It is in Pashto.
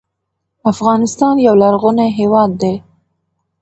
افغانستان یو لرغونی هیواد دی